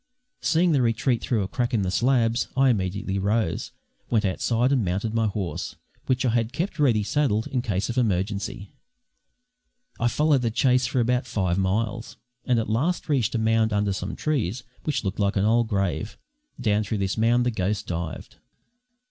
Seeing the retreat through a crack in the slabs, I immediately rose, went outside and mounted my horse, which I had kept ready saddled in case of emergency. I followed the chase for about five miles, and at last reached a mound under some trees, which looked like an old grave. Down through this mound the ghost dived.